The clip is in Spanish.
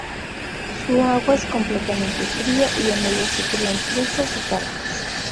Su agua es completamente fría y en ella se crían truchas y carpas.